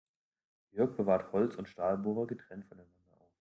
Jörg bewahrt Holz- und Stahlbohrer getrennt voneinander auf.